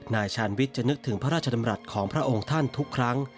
นายชาญวิทย์จะนึกถึงพระราชดำรัฐของพระองค์ท่านทุกครั้ง